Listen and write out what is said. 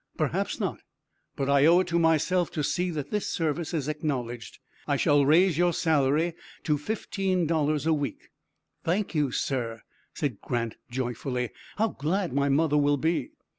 "Perhaps not; but I owe it to myself to see that this service is acknowledged. I shall raise your salary to fifteen dollars a week." "Thank you, sir," said Grant, joyfully. "How glad my mother will be."